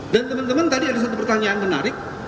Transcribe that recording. dan teman teman tadi ada satu pertanyaan menarik